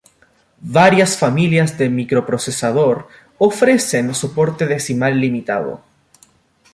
Varias familias de microprocesador ofrecen soporte decimal limitado.